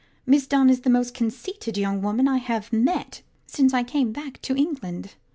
Miss Dunn is the most conceited young woman I have met since I came back to England.